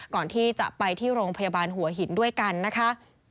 ก่อนที่จะไปที่โรงพยาบาลหัวหินด้วยกันนะคะ